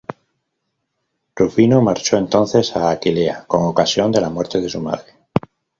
Rufino marchó entonces a Aquilea con ocasión de la muerte de su madre.